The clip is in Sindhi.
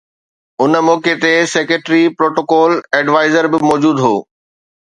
ان موقعي تي سيڪريٽري پروٽوڪول ايڊوائيزر به موجود هو